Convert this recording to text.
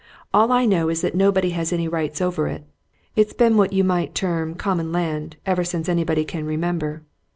All I know is that nobody has any rights over it it's been what you might term common land ever since anybody can remember.